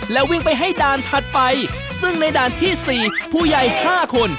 แล้ววิ่งไปให้ด่านถัดไปซึ่งในด่านที่๔ผู้ใหญ่๕คน